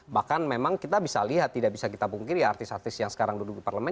bahkan memang kita bisa lihat tidak bisa kita pungkiri artis artis yang sekarang duduk di parlemen